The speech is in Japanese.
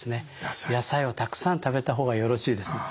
野菜をたくさん食べた方がよろしいですね。